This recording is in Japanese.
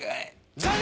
残念！